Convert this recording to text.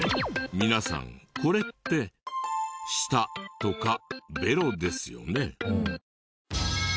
皆さんこれって舌とかベロですよね。